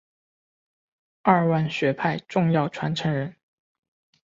二万学派重要传承人。